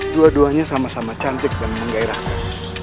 dua duanya sama sama cantik dan menggairahkan